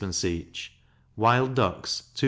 each; wild ducks 2s.